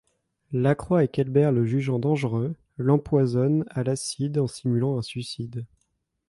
Lacroix et Kelber le jugeant dangereux, l'empoisonnent à l'acide en simulant un suicide.